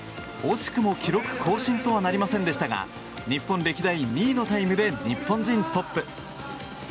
惜しくも記録更新とはなりませんでしたが日本歴代２位のタイムで日本人トップ。